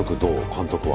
監督は。